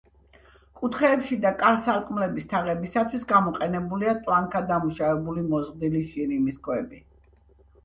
კუთხეებში და კარ-სარკმლების თაღებისათვის გამოყენებულია ტლანქად დამუშავებული მოზრდილი შირიმის ქვები.